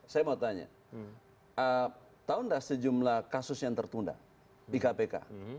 saya mau tanya tahu nggak sejumlah kasus yang tertunda di kpk